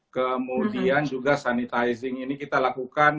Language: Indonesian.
kemudian juga sanitizing ini kita lakukan